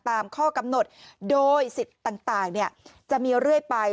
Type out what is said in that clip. ตามข้อกำหนดโดยสิทธิ์ต่างจะมีเรื่อยไป